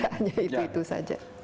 hanya itu itu saja